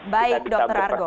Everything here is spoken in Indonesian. baik dokter argo